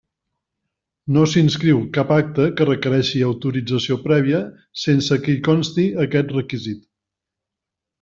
No s'inscriu cap acte que requereixi autorització prèvia sense que hi consti aquest requisit.